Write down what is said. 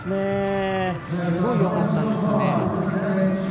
すごいよかったんですよね。